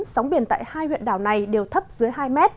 sóng biển tại hai huyện đảo này đều thấp dưới hai mét